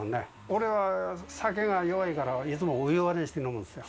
俺は酒が弱いからいつもお湯割りにして飲むんですよ。